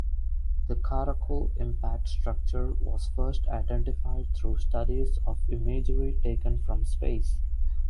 The Karakul impact structure was first identified through studies of imagery taken from space.